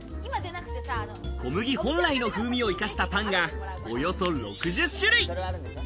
小麦本来の風味を生かしたパンが、およそ６０種類。